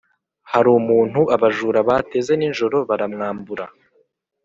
harumuntu abajura bateze ninjoro baramwambura